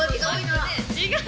違う。